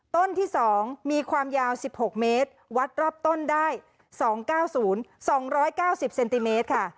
ต้นที่๒มีความยาว๑๖เมตรวัดรอบต้นได้๒๙๐๒๙๐เซนติเมตรค่ะ